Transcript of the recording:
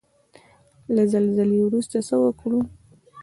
له زلزلې وروسته څه وکړو؟